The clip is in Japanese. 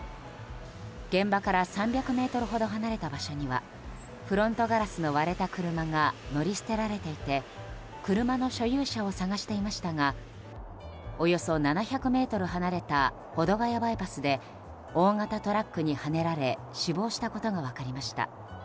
現場から３００ｍほど離れた場所にはフロントガラスの割れた車が乗り捨てられていて車の所有者を探していましたがおよそ７００ｍ離れた保土ヶ谷バイパスで大型トラックにはねられ死亡したことが分かりました。